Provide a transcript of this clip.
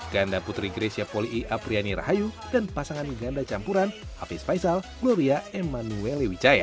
ganda putri grecia poli i apriani rahayu dan pasangan ganda campuran afiz faisal gloria emmanuelle wicaya